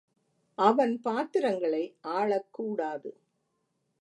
அவன் பாத்திரங்களை ஆளக்கூடாது.